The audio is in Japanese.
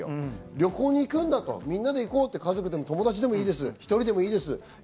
旅行に行くんだと、みんなで行こうって、家族でも友達でも１人でもいい。